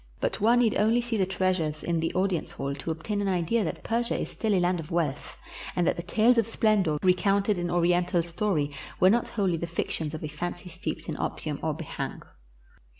But one need only see the treasures in the audience hall to obtain an idea that Persia is still a land of wealth, and that the tales of splendor recounted in Oriental story were not wholly the fictions of a fancy steeped in opium or b'hang.